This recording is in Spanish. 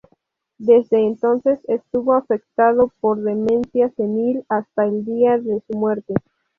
Desde entonces estuvo afectado por demencia senil hasta el día de su muerte.